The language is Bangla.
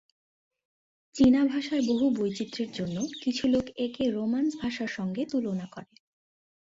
চীনা ভাষার বহু বৈচিত্র্যের জন্য কিছু লোক একে রোমান্স ভাষার সঙ্গে তুলনা করে।